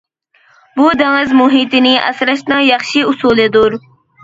بۇ دېڭىز مۇھىتىنى ئاسراشنىڭ ياخشى ئۇسۇلىدۇر.